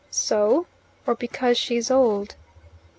"So? Or because she is old?"